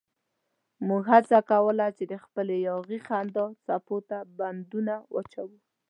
موږ هڅه کوله چې د خپلې یاغي خندا څپو ته بندونه واچوو.